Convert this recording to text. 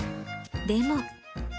でも。